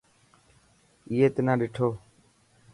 اي تنا ڏٺو.